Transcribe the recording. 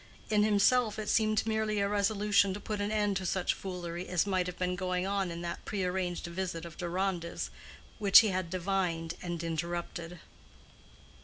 In himself it seemed merely a resolution to put an end to such foolery as must have been going on in that prearranged visit of Deronda's which he had divined and interrupted.